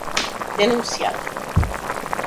denunciado